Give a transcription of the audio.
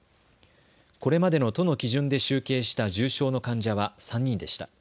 これまでの都の基準で集計した重症の患者は３人でした。